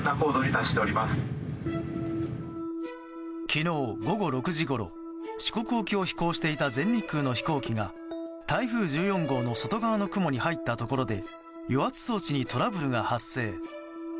昨日午後６時ごろ四国沖を飛行していた全日空の飛行機が台風１４号の外側の雲に入ったところで与圧装置にトラブルが発生。